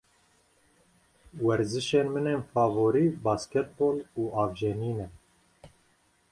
Werzişên min ên favorî basketbol û avjenî ne.